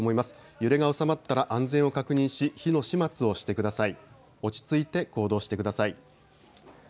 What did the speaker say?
揺れが収まったら安全を確認し火の不始末をしてください。